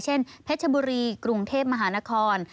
เช่นเพชรบุรีกรุงเทพมหานคร